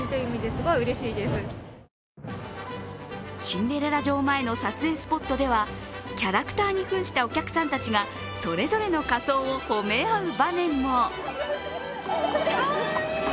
シンデレラ城前の撮影スポットではキャラクターにふんしたお客さんたちがそれぞれの仮装を褒め合う場面も。